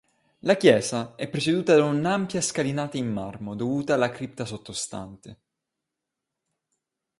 La chiesa è preceduta da un'ampia scalinata in marmo, dovuta alla cripta sottostante.